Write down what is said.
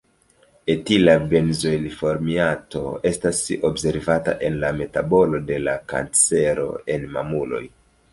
Etila benzoilformiato estas observata en la metabolo de la kancero en mamuloj.